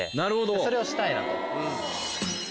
それをしたいなと。